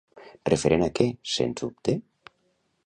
Referent a què, sens dubte?